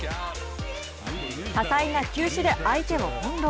多彩な球種で相手を翻弄。